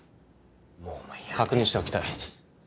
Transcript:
もうお前やめろ確認しておきたい